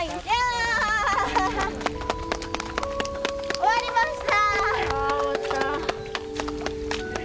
終わりました！